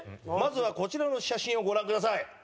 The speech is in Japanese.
まずはこちらの写真をご覧ください。